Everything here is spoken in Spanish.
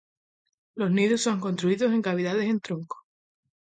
Los nidos son construidos en cavidades en troncos.